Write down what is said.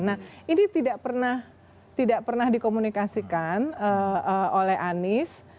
nah ini tidak pernah dikomunikasikan oleh anies